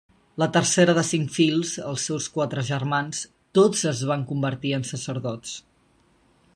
La tercera de cinc fills, els seus quatre germans, tots es van convertir en sacerdots.